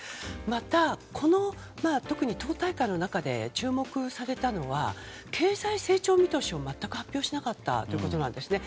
また、この党大会の中で注目されたのは経済成長見通しを、全く発表しなかったことなんですね。